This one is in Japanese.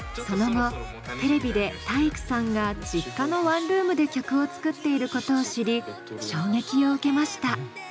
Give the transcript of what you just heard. その後テレビで体育さんが実家のワンルームで曲を作っていることを知り衝撃を受けました。